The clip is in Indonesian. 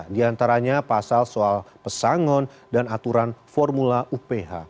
di antaranya pasal soal pesangon dan aturan formula uph